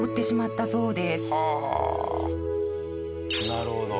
なるほど。